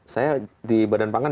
saya di badan pangan